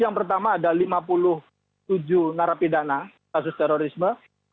yang pertama ada lima puluh tujuh narapidana kasus terorisme